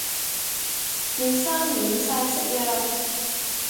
件衫染晒色呀